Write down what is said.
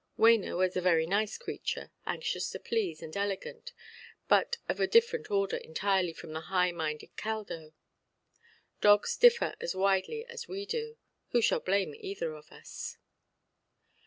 Wena was a very nice creature, anxious to please, and elegant; but of a different order entirely from the high–minded Caldo. Dogs differ as widely as we do. Who shall blame either of us?